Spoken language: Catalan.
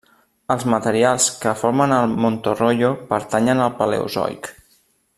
Els materials que formen el Montorroio pertanyen al paleozoic.